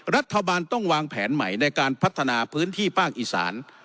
รัฐบาลต้องวางแผนใหม่ในการพัฒนาพื้นที่ภาคอีสาน